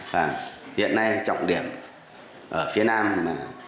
và hiện nay trọng điểm ở phía nam là